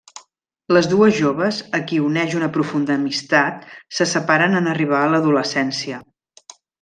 Les dues joves, a qui uneix una profunda amistat, se separen en arribar a l'adolescència.